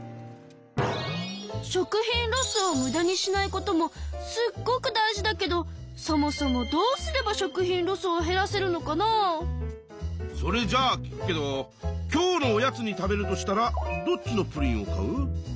食品ロスをムダにしないこともすっごく大事だけどそもそもそれじゃあ聞くけど今日のおやつに食べるとしたらどっちのプリンを買う？